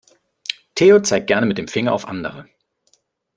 Theo zeigt gerne mit dem Finger auf andere.